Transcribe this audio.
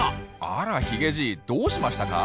あらヒゲじいどうしましたか？